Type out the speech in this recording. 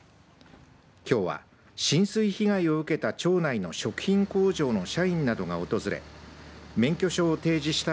きょうは浸水被害を受けた町内の食品工場の社員などが訪れ免許証を提示した